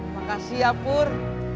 makasih ya pur